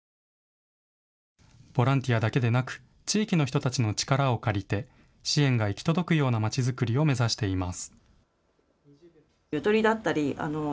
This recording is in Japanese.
ボランティアだけでなく地域の人たちの力を借りて支援が行き届くような町づくりを目指しています。